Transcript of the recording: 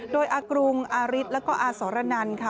โดยอากรุงอาริสแล้วก็อาสรนันค่ะ